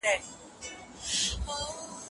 يوې ملالي پسې بله مړه ده، بله مړه ده